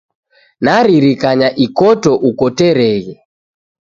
Naririkanya ikoto ukoreghe